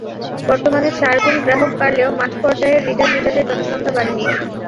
বর্তমানে চার গুণ গ্রাহক বাড়লেও মাঠ পর্যায়ের রিডার মিটারের পদসংখ্যা বাড়েনি।